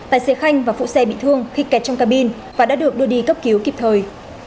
tài xế khanh và phụ xe bị thương khi kẹt trong cabin và đã được đưa đi cấp cứu kịp thời